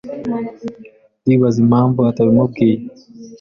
Ndibaza impamvu atabimubwiye.